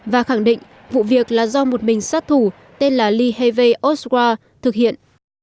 và khẳng định vụ việc là do một mình sát thủ tên là lee harvey oswald thực hiện